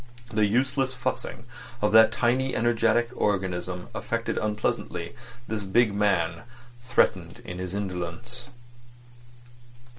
The useless fussing of that tiny energetic organism affected unpleasantly this big man threatened in his indolence.